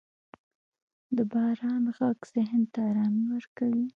• د باران ږغ ذهن ته آرامي ورکوي.